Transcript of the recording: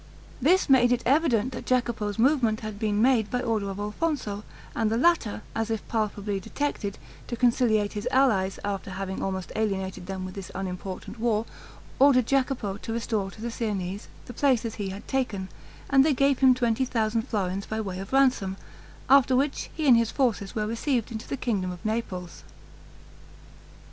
This made it evident that Jacopo's movement had been made by order of Alfonso, and the latter, as if palpably detected, to conciliate his allies, after having almost alienated them with this unimportant war, ordered Jacopo to restore to the Siennese the places he had taken, and they gave him twenty thousand florins by way of ransom, after which he and his forces were received into the kingdom of Naples.